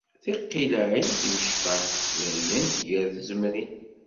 Tiqillaɛin d timecṭaḥ, dergent gar tzemmrin.